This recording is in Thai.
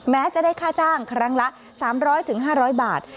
แม้จะได้ค่าจ้างครั้งละ๓๐๐๕๐๐บาท